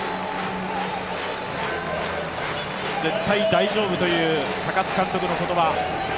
絶対大丈夫という高津監督の言葉。